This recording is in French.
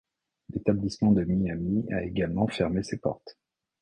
L'établissement de Miami a également fermé ses portes.